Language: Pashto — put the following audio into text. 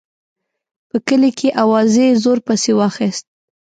په کلي کې اوازې زور پسې واخیست.